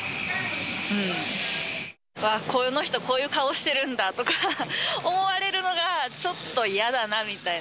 うわっ、この人、こういう顔してるんだって思われるのが、ちょっと嫌だなみたいな。